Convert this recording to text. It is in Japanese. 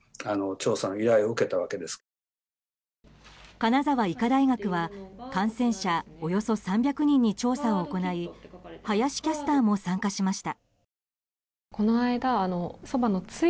金沢医科大学は感染者およそ３００人に調査を行い林キャスターも参加しました。